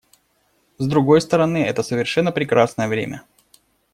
С другой стороны, это совершенно прекрасное время.